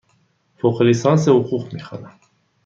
فوق لیسانس حقوق می خوانم.